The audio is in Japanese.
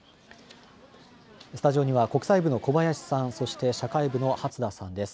スタジオには国際部の小林さん、社会部の初田さんです。